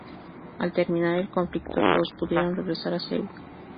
Al terminar el conflicto todos pudieron regresar a Seúl.